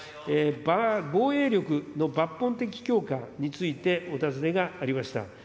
防衛力の抜本的強化についてお尋ねがありました。